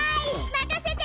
まかせて！